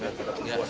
ya dia jelas